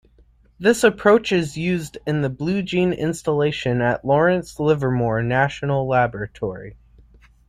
This approach is used in the Blue Gene installation at Lawrence Livermore National Laboratory.